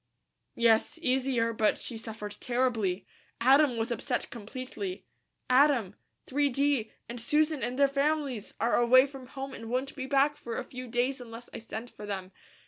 "Yes, easier, but she suffered terribly. Adam was upset completely. Adam, 3d, and Susan and their families are away from home and won't be back for a few days unless I send for them.